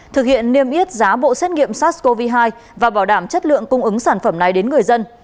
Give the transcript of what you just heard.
thực hiện niêm yết giá bộ xét nghiệm sars cov hai và bảo đảm chất lượng cung ứng sản phẩm này đến người dân